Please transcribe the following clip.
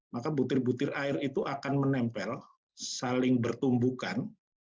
maka butir butir air itu akan menempel saling bertumbukan